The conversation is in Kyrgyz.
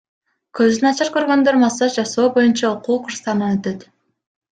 Көзү начар көргөндөр массаж жасоо боюнча окуу курстарынан өтөт.